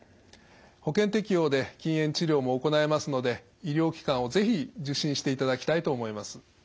保険適用で禁煙治療も行えますので医療機関を是非受診していただきたいと思います。